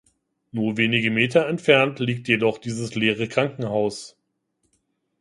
Nur wenige Meter entfernt liegt jedoch dieses leere Krankenhaus.